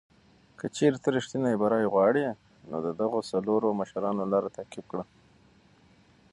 که چېرې ته ریښتینی بری غواړې، نو د دغو څلورو مشرانو لاره تعقیب کړه.